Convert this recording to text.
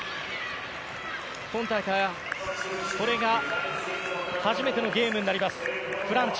今大会、これが初めてのゲームになります、フランチ。